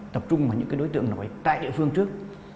tập trung vào những đối tượng nổi tại địa phương trước